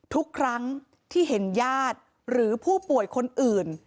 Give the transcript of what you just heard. ทุกครั้งที่เห็นญาติหรือผู้ป่วยคนอื่น